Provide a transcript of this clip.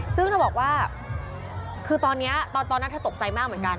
ซึ่งเธอบอกว่าคือตอนนี้ตอนนั้นเธอตกใจมากเหมือนกัน